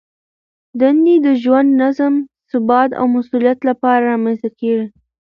دندې د ژوند نظم، ثبات او مسؤلیت رامنځته کوي.